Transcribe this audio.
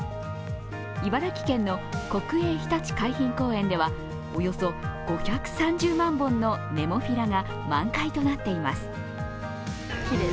茨城県の国営ひたち海浜公園ではおよそ５３０万本のネモフィラが満開となっています。